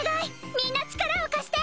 みんな力を貸して！